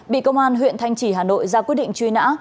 bị công an huyện thanh trì hà nội ra quyết định truy nã